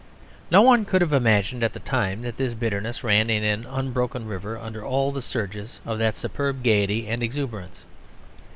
No one could have imagined at the time that this bitterness ran in an unbroken river under all the surges of that superb gaiety and exuberance.